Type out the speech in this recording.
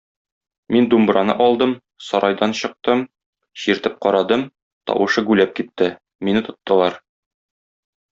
Мин думбраны алдым, сарайдан чыктым, чиртеп карадым, тавышы гүләп китте, мине тоттылар.